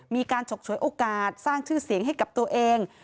ฉกฉวยโอกาสสร้างชื่อเสียงให้กับตัวเอง